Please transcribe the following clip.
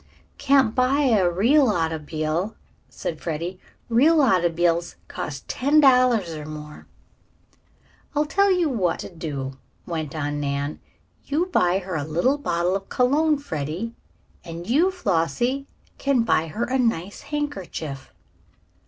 "Can't buy a real auto'bile," said Freddie. "Real auto'biles cost ten dollars, or more." "I'll tell you what to do," went on Nan. "You buy her a little bottle of cologne, Freddie, and you, Flossie, can buy her a nice handkerchief."